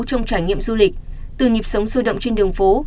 trong trải nghiệm du lịch từ nhịp sống sôi động trên đường phố